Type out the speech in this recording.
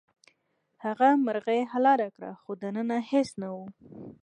هغه مرغۍ حلاله کړه خو دننه هیڅ نه وو.